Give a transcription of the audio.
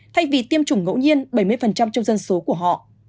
thay vì tiêm chủng ngẫu nhiên bảy mươi trong dân số của họ